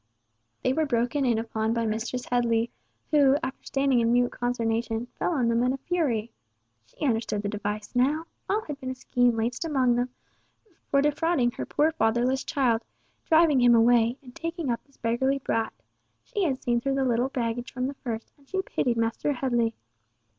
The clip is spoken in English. They were broken in upon by Mistress Headley, who, after standing in mute consternation, fell on them in a fury. She understood the device now! All had been a scheme laid amongst them for defrauding her poor fatherless child, driving him away, and taking up this beggarly brat. She had seen through the little baggage from the first, and she pitied Master Headley.